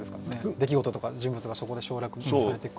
出来事とか人物がそこで省略されて。